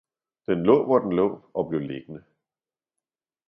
den lå hvor den lå og blev liggende.